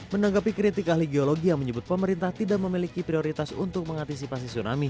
menanggapi kritik ahli geologi yang menyebut pemerintah tidak memiliki prioritas untuk mengantisipasi tsunami